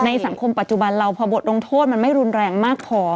สังคมปัจจุบันเราพอบทลงโทษมันไม่รุนแรงมากพอ